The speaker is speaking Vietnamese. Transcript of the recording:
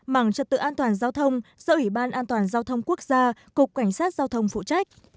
mảng trật tự an toàn giao thông do ủy ban an toàn giao thông quốc gia cục cảnh sát giao thông phụ trách